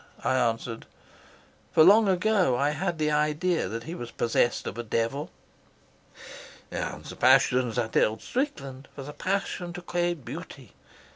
I answered. "For long ago I had the idea that he was possessed of a devil." "And the passion that held Strickland was a passion to create beauty.